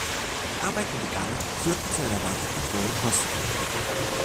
Die Arbeiten begannen und führten zu den erwarteten hohen Kosten.